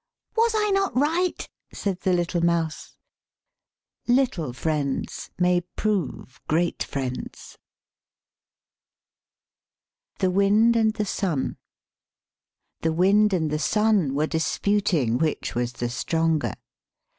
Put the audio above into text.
" Was I not right?" said the little mouse. " Little friends may prove great friends." THE WIND AND THE SUN The wind and the sun were disputing which was the stronger.